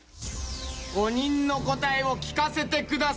５人の答えを聞かせてください。